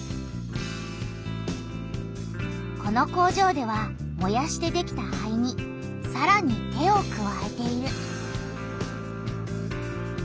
この工場ではもやしてできた灰にさらに手をくわえている。